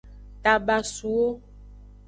Tabasuwo.